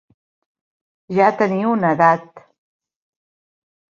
Ja teniu una edat.